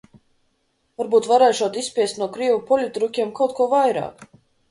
"Varbūt varēšot "izspiest" no krievu poļitrukiem kaut ko vairāk."